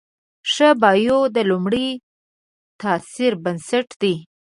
ښه بایو د لومړي تاثر بنسټ دی.